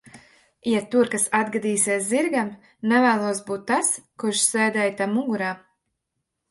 Ja tur kas atgadīsies zirgam, nevēlos būt tas, kurš sēdēja tam mugurā.